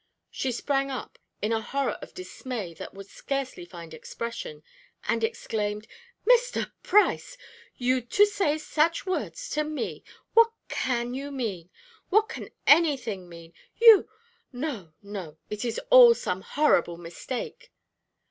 She sprang up, in a horror and dismay that would scarcely find expression, and exclaimed: "Mr. Price! You to say such words to me! What can you mean? What can anything mean? You no, no, it is all some horrible mistake."